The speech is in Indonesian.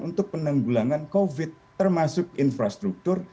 untuk penanggulangan covid termasuk infrastruktur